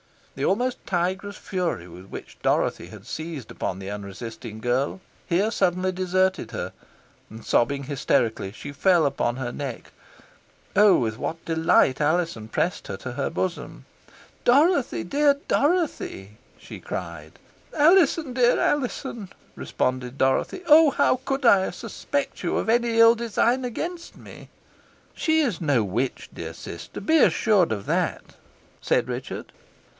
The almost tigress fury with which Dorothy had seized upon the unresisting girl here suddenly deserted her, and, sobbing hysterically, she fell upon her neck. Oh, with what delight Alizon pressed her to her bosom! "Dorothy, dear Dorothy!" she cried. "Alizon, dear Alizon!" responded Dorothy. "Oh! how could I suspect you of any ill design against me!" "She is no witch, dear sister, be assured of that!" said Richard.